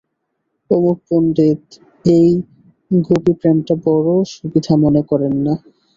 অমুক পণ্ডিত এই গোপীপ্রেমটা বড় সুবিধা মনে করেন না।